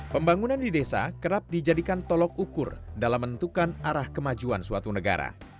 pembangunan di desa kerap dijadikan tolok ukur dalam menentukan arah kemajuan suatu negara